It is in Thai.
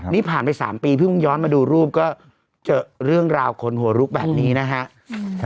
นี่ผ่านไป๓ปีเพิ่งย้อนมาดูรูปก็เจอเรื่องราวขนหัวลุกแบบนี้นะฮะ